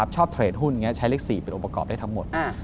ชอบเทรดหุ้นใช้เลข๔เป็นโอปกรอบได้ทั้งหมด